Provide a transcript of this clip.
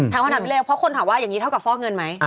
คำถามนี้เลยเพราะคนถามว่าอย่างนี้เท่ากับฟอกเงินไหม